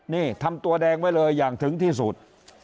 นี่ทำตัวแดงไว้เลยอย่างถึงที่สุด